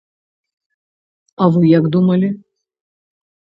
А вы як думалі?